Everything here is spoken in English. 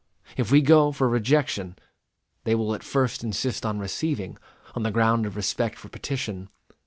If we go for rejection, they will at first insist on receiving, on the ground of respect for petition.